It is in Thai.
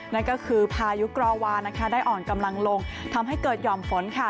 นั่นก็คือพายุกรอวานะคะได้อ่อนกำลังลงทำให้เกิดห่อมฝนค่ะ